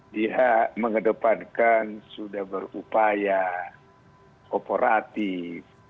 dia mengedepankan sudah berupaya kooperatif